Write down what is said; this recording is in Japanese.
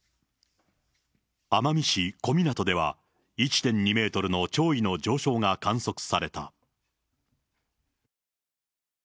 奄美市小湊では、１．２メートルの潮位の上昇が観測された。